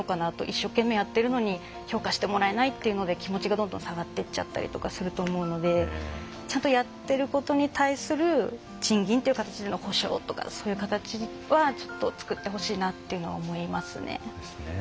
一生懸命やってるのに評価してもらえないっていうので気持ちがどんどん下がっていっちゃったりとかすると思うのでちゃんとやってることに対する賃金という形での補償とかそういう形は作ってほしいなっていうのは思いますね。